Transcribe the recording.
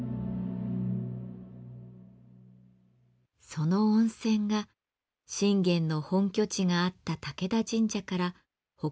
その温泉が信玄の本拠地があった武田神社から北東に約２０キロ